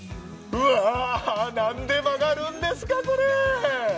何で曲がるんですか、これ？